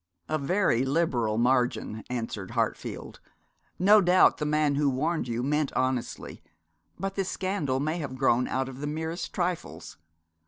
'A very liberal margin,' answered Hartfield. 'No doubt the man who warned you meant honestly, but this scandal may have grown out of the merest trifles.